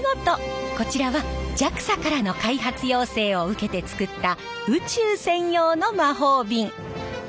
こちらはＪＡＸＡからの開発要請を受けてつくった宇宙専用の魔法瓶。